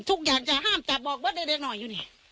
ทุกอย่างจะห้ามจับบอกว่าได้หน่อยอยู่นี่